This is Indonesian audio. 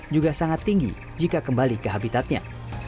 juga sangat tinggi jika kembali ke habitatnya